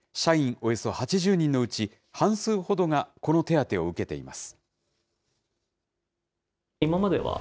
およそ８０人のうち半数ほどがこの手当を受けています。